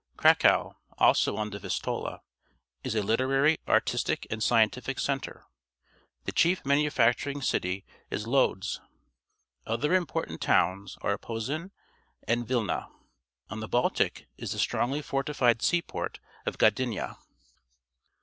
Cracow, also on the Vistula, is a literary, artistic, and scientific centre. The chief manufacturing city is Lodz. Other important tow'ns are Posen and Vilna. On the Baltic is the strongly fortified seaport of Gdynia.